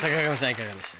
いかがでした？